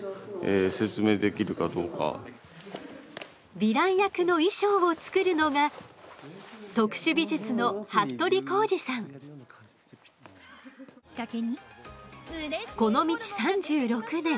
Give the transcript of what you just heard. ヴィラン役の衣装を作るのがこの道３６年。